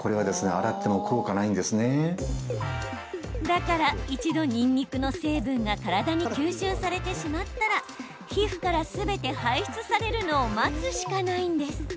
だから一度、ニンニクの成分が体に吸収されてしまったら皮膚からすべて排出されるのを待つしかないんです。